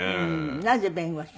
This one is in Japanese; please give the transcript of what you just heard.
なぜ弁護士？